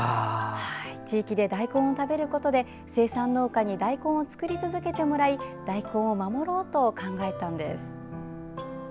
地域で大根を食べることで生産農家に大根を作り続けてもらい大根を守ろうと考えたのです。